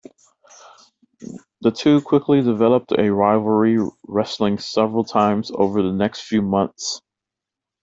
The two quickly developed a rivalry, wrestling several times over the next few months.